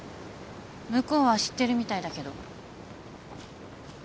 向こうは知ってるみたいだけど。